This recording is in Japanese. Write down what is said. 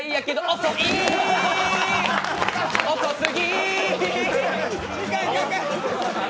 遅すぎ。